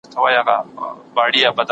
آیا ژمنۍ شپې د اوړي تر شپو اوږدې دي؟